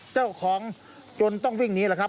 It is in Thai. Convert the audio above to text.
เจ้าของจนต้องวิ่งหนีแหละครับ